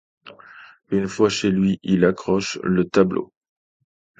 Une fois chez lui, il accroche le tableau.